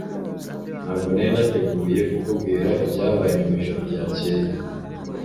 Ntabwo nari nateguye kukubwira ibyabaye mwijoro ryakeye.